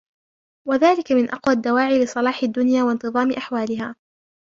وَذَلِكَ مِنْ أَقْوَى الدَّوَاعِي لِصَلَاحِ الدُّنْيَا وَانْتِظَامِ أَحْوَالِهَا